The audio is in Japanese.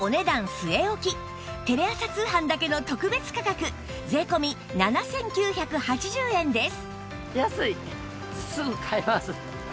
据え置きテレ朝通販だけの特別価格税込７９８０円です